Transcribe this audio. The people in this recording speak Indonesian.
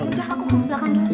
aku belakang dulu